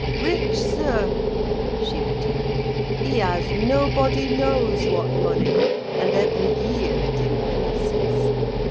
"Rich, sir!" she returned. "He has nobody knows what money, and every year it increases.